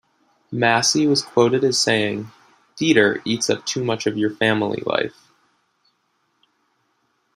Massey was quoted as saying, Theatre eats up too much of your family life.